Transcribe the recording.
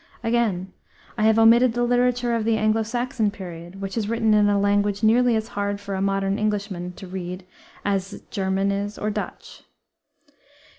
Again, I have omitted the literature of the Anglo Saxon period, which is written in a language nearly as hard for a modern Englishman to read as German is, or Dutch.